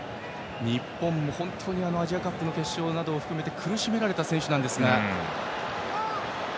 日本は本当にアジアカップの決勝など含めて苦しめられた選手なんですが。